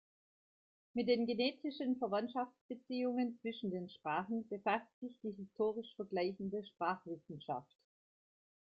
Mit den genetischen Verwandtschaftsbeziehungen zwischen den Sprachen befasst sich die historisch-vergleichende Sprachwissenschaft.